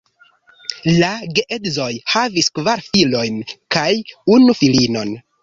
La geedzoj havis kvar filojn kaj unu filinon.